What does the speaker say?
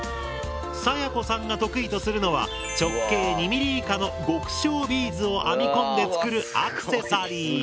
さやこさんが得意とするのは直径２ミリ以下の極小ビーズを編み込んで作るアクセサリー。